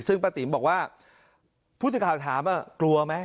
ซึ่งป้าติ๋มบอกว่าผู้สื่อข่าวถามกลัวไหม